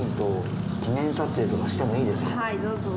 はいどうぞ。